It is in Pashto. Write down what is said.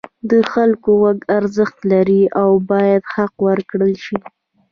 د خلکو غږ ارزښت لري او باید حق ورکړل شي.